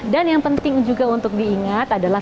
dan yang penting juga untuk diingat adalah